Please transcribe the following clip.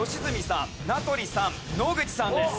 名取さん野口さんです。